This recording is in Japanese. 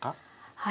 はい。